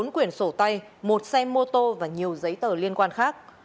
bốn quyển sổ tay một xe mô tô và nhiều giấy tờ liên quan khác